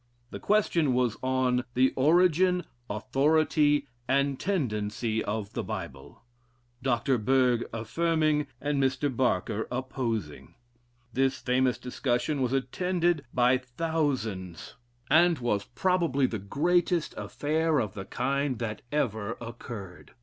The question was on "the origin, authority, and tendency of the Bible" Dr. Berg affirming, and Mr. Barker opposing. This famous discussion was attended by thousands, and was probably the greatest affair of the kind that ever occurred.